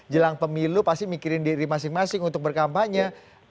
jelang pemilu pasti mikirin diri masing masing untuk berkampanye